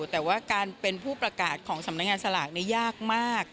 แต่ว่าการเป็นผู้ประกาศของสำนักงานสลากนี้ยากมาก